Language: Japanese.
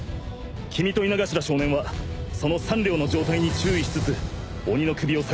君と猪頭少年はその３両の状態に注意しつつ鬼の首を探せ。